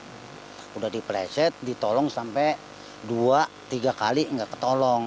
sudah dipeleset ditolong sampai dua tiga kali nggak ketolong